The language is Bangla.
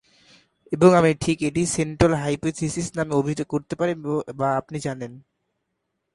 এবং আমি ঠিক এটি 'সেন্ট্রাল হাইপোথিসিস' নামে অভিহিত করতে পারি বা আপনি জানেন।